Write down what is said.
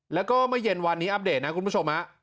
แล้วก็เมื่อเย็นวันนี้อัปเดตนะคุณผู้ชม